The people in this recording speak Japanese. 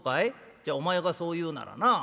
じゃお前がそう言うならな。